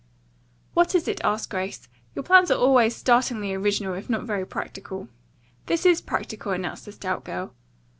"What is it?" asked Grace. "Your plans are always startlingly original if not very practical." "This is practical," announced the stout girl.